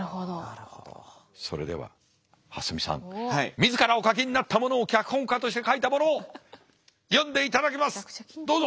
自らお書きになったものを脚本家として書いたものを読んでいただきますどうぞ！